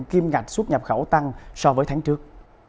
kim ngạch xuất nhập khẩu tăng so với tháng trước